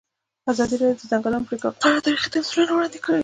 ازادي راډیو د د ځنګلونو پرېکول په اړه تاریخي تمثیلونه وړاندې کړي.